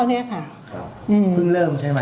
พึ่งเริ่มใช่ไหม